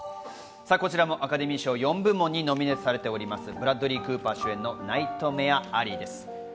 アカデミー賞４部門にノミネートされているブラッドリー・クーパー主演の『ナイトメア・アリー』です。